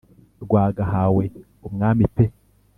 rwagahawe umwami pe